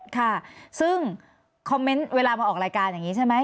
ค่ะซึ่งคอมเมนต์เวลามาออกรายการอย่างนี้ใช่ไหม